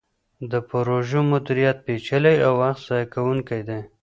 د پروژو مدیریت پیچلی او وخت ضایع کوونکی دی.